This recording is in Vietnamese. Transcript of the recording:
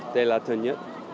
đây là thứ nhất